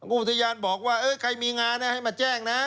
อุทยานบอกว่าใครมีงานให้มาแจ้งนะ